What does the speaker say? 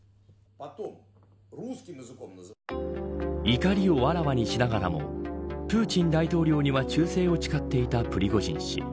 怒りをあらわにしながらもプーチン大統領には忠誠を誓っていたプリゴジン氏。